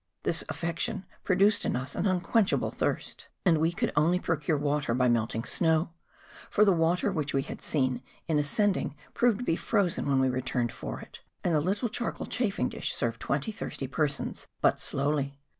This affection produced in us an unquenchable thirst; and we could only pro MONT BLANC. 5 cure water by melting snow, for the water which we had seen in ascending proved to be frozen when we returned for it; and the little charcoal chafing dish served twenty thirsty persons but slowly.